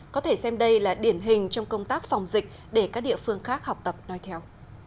có thể xem đây là điển hình trong công tác phòng dịch để các địa phương khác học tập nói theo